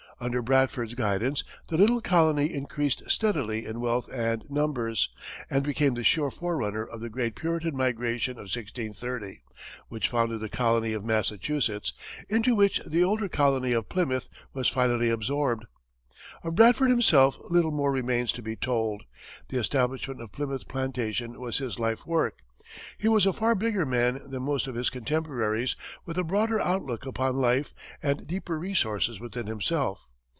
Under Bradford's guidance, the little colony increased steadily in wealth and numbers, and became the sure forerunner of the great Puritan migration of 1630, which founded the colony of Massachusetts, into which the older colony of Plymouth was finally absorbed. Of Bradford himself, little more remains to be told. The establishment of Plymouth Plantation was his life work. He was a far bigger man than most of his contemporaries, with a broader outlook upon life and deeper resources within himself.